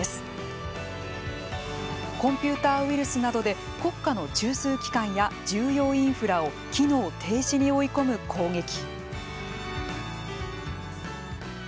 コンピューターウイルスなどで国家の中枢機関や重要インフラを機能停止に追い込む攻撃。